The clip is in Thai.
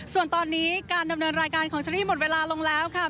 ส่วนตอนนี้การดำเนินรายการของเชอรี่หมดเวลาลงแล้วค่ะ